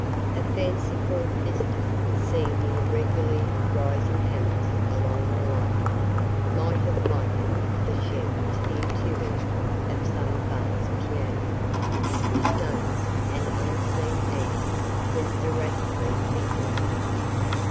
A fanciful visitor, seeing the irregularly rising hammers along the line, might have likened the shed to the interior of some vast piano, whose notes an unseen hand was erratically fingering.